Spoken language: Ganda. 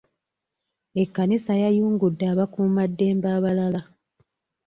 Ekkanisa yayungudde abakuuma ddembe abalala.